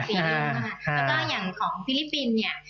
แล้วก็อย่างของฟิลิปปินส์เนี่ย